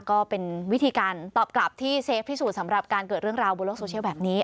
ก็เป็นวิธีการตอบกลับที่เซฟพิสูจน์สำหรับการเกิดเรื่องราวบนโลกโซเชียลแบบนี้